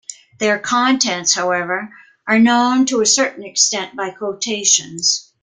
Their contents, however, are known to a certain extent by quotations.